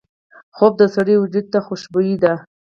خوب د سړي وجود ته خوشبو ده